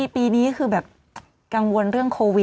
ปีนี้คือแบบกังวลเรื่องโควิด